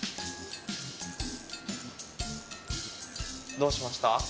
どうしました？